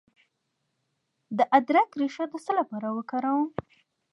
د ادرک ریښه د څه لپاره وکاروم؟